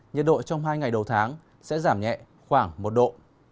nhiệt độ trong hai ngày đầu tháng sẽ giảm nhẹ khoảng một độ